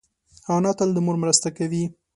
انا تل د مور مرسته کوي